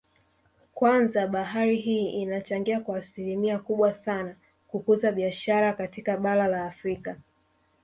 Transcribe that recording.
Kwanza bahari hii inachangia kwa asilimia kubwa sana kukuza biashara katika bara la Afrika